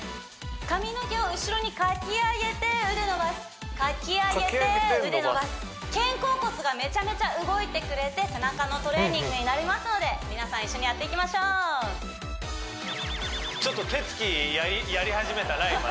髪の毛を後ろにかき上げて腕伸ばすかき上げて腕伸ばす肩甲骨がめちゃめちゃ動いてくれて背中のトレーニングになりますので皆さん一緒にやっていきましょうやり始めたな